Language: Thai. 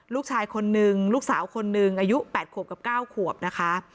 ลูกชายคนนึงลูกสาวคนหนึ่งอายุ๘ขวบกับ๙ขวบนะคะ